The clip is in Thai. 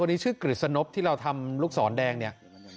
นี้ชื่อกฤษณพที่เราทำลูกศรแดงเนี่ย